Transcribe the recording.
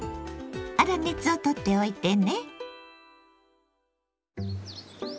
粗熱をとっておいてね。